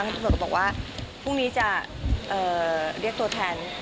ตำรวจก็บอกว่าพรุ่งนี้จะเรียกตัวแทน